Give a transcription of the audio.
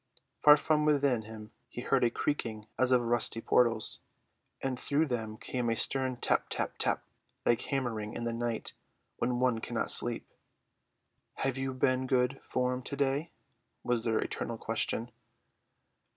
From far within him he heard a creaking as of rusty portals, and through them came a stern tap tap tap, like hammering in the night when one cannot sleep. "Have you been good form to day?" was their eternal question.